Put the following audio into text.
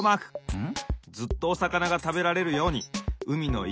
うん。